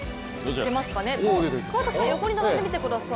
川崎さん横に並んでみてください。